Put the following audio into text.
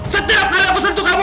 setiap kali aku sentuh kamu